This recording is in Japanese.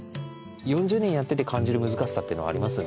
４０年やってて感じる難しさっていうのはあります？